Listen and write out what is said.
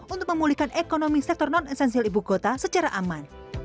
untuk memulihkan ekonomi sektor non esensial ibu kota secara aman